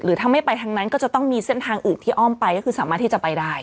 ถ้าไม่ไปทางนั้นก็จะต้องมีเส้นทางอื่นที่อ้อมไปก็คือสามารถที่จะไปได้